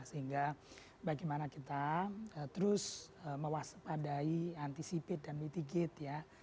sehingga bagaimana kita terus mewaspadai anticipate dan mitigate ya